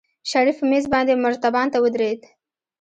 شريف په مېز باندې مرتبان ته ودرېد.